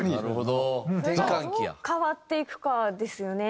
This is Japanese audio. どう変わっていくかですよね。